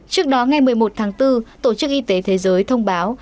trước đó ngày một mươi một tháng bốn tổ chức y tế thế giới thông báo